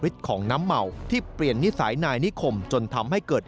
ของน้ำเมาที่เปลี่ยนนิสัยนายนิคมจนทำให้เกิด